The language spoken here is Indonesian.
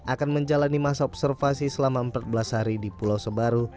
akan menjalani masa observasi selama empat belas hari di pulau sebaru